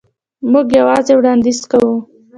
موږ یوازې وړاندیز کوو.